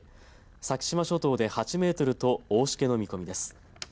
先島諸島で８メートルと大しけの見込みです。